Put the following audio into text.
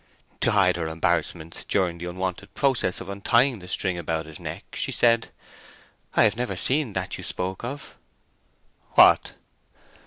To hide her embarrassment during the unwonted process of untying the string about his neck, she said:— "I have never seen that you spoke of." "What?"